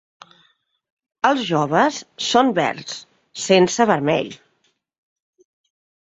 Els joves són verds, sense vermell.